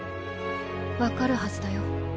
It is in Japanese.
分かるはずだよ。